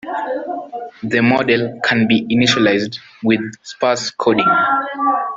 The model can be initialized with sparse coding.